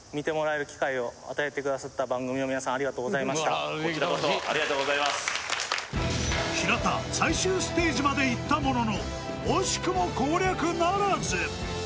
うんやっぱりこちらこそありがとうございます平田最終ステージまで行ったものの惜しくも攻略ならず！